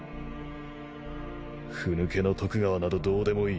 ふ抜けの徳川などどうでもいい。